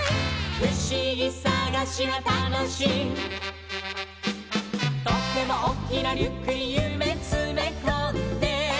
「ふしぎさがしはたのしい」「とってもおっきなリュックにゆめつめこんで」